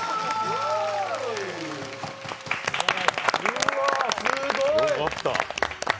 うわ、すごーい。